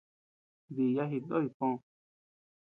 Dìya jitnoy pö.